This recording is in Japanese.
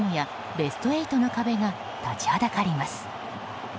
ベスト８の壁が立ちはだかります。